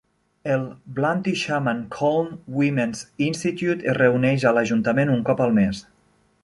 El Bluntisham and Colne Women's Institute es reuneix a l'ajuntament un cop al mes.